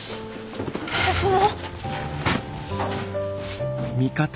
私も。